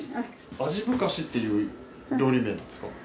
味ぶかしっていう料理名なんですか？